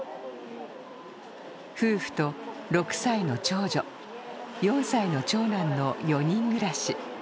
夫婦と６歳の長女、４歳の長男の４人暮らし。